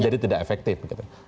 jadi tidak efektif begitu